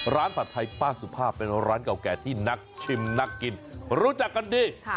ผัดไทยป้าสุภาพเป็นร้านเก่าแก่ที่นักชิมนักกินรู้จักกันดี